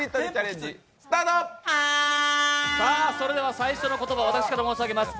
最初の言葉、私から申し上げます。